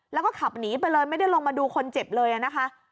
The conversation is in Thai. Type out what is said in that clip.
แล้วก็ขับหนีไปเลยไม่ได้ลงมาดูคนเจ็บเลยนะคะ